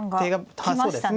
そうですね。